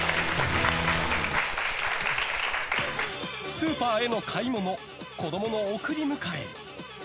スーパーへの買い物子供の送り迎え。